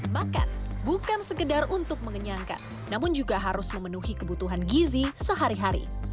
makan bukan sekedar untuk mengenyangkan namun juga harus memenuhi kebutuhan gizi sehari hari